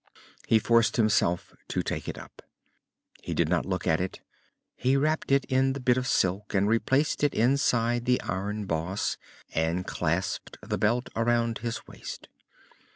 He forced himself to take it up. He did not look at it. He wrapped it in the bit of silk and replaced it inside the iron boss, and clasped the belt around his waist.